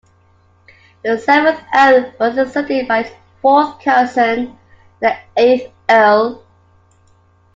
The seventh Earl was succeeded by his fourth cousin, the eighth Earl.